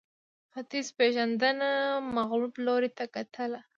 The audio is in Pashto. ختیځپېژندنه مغلوب لوري ته کتل